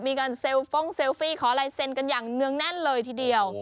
มีการเซลฟ่องเซลฟี่ขอลายเซ็นกันอย่างเนื่องแน่นเลยทีเดียว